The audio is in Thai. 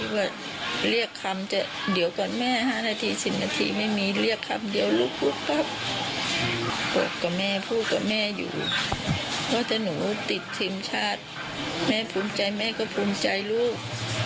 เพราะถ้าหนูติดทีมชาติแม่ภูมิใจแม่ก็ภูมิใจลูก